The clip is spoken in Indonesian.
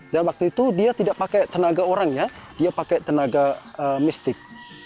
dan waktu itu dia tidak pakai tenaga orangnya dia pakai tenaga mistik